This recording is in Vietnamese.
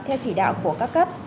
theo chỉ đạo của các cấp